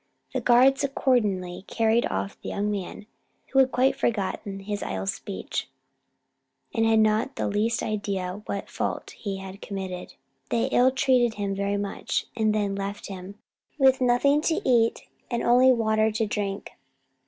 The guards accordingly carried off the young man, who had quite forgotten his idle speech, and had not the least idea what fault he had committed. They ill treated him very much, and then left him, with nothing to eat and only water to drink.